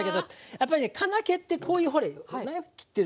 やっぱりね金気ってこういうほれナイフで切ってるので。